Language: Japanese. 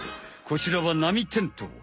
こちらはナミテントウ。